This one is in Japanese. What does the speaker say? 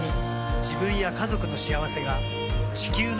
自分や家族の幸せが地球の幸せにつながっている。